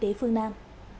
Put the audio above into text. kinh tế phương nam